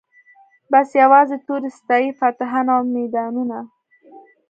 بس یوازي توري ستايی فاتحان او میدانونه